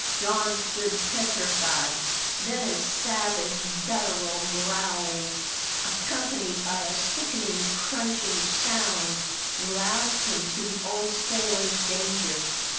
Don stood petrified. Then a savage, guttural growling, accompanied by a sickening crunching sound, roused him to the old sailors danger.